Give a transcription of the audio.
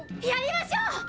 やりましょう！